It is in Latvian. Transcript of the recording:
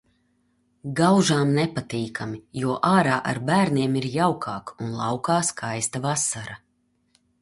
Gaužām nepatīkami, jo ārā ar bērniem ir jaukāk un laukā skaista vasara.